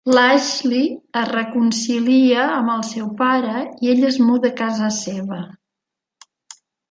L'Ashley es reconcilia amb el seu pare i ell es muda a casa seva.